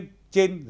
trên trường đại học